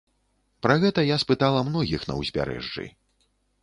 Пра гэта я спытала многіх на ўзбярэжжы.